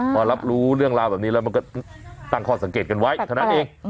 พอรับรู้เรื่องราวแบบนี้แล้วมันก็ตั้งข้อสังเกตกันไว้เท่านั้นเอง